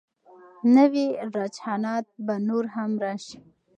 نوي رجحانات به نور هم راشي.